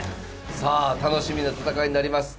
さあ楽しみな戦いになります。